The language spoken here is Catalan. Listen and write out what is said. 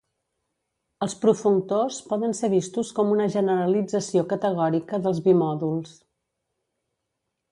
Els profunctors poden ser vistos com una generalització categòrica dels bimòduls.